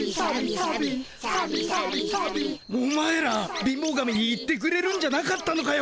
お前ら貧乏神に言ってくれるんじゃなかったのかよ。